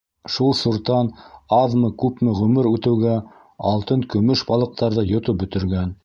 Шул суртан аҙмы-күпме ғүмер үтеүгә алтын-көмөш балыҡтарҙы йотоп бөтөргән.